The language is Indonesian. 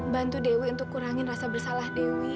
bantu dewi untuk kurangin rasa bersalah dewi